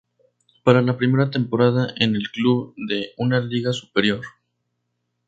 Para la primera temporada en el club de una liga superior.